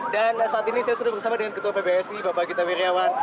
dan saat ini saya sudah bersama dengan ketua pbsi bapak gita wirjawan